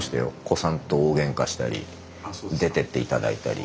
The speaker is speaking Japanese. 古参と大げんかしたり出てって頂いたり。